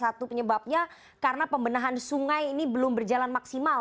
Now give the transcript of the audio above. satu penyebabnya karena pembenahan sungai ini belum berjalan maksimal